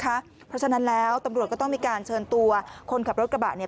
เพราะฉะนั้นแล้วตำรวจก็ต้องมีการเชิญตัวคนขับรถกระบะเนี่ย